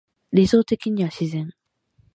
理想的には自然